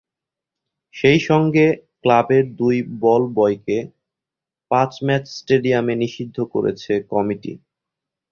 সেই সঙ্গে ক্লাবের দুই বল-বয়কে পাঁচ ম্যাচ স্টেডিয়ামে নিষিদ্ধ করেছে কমিটি।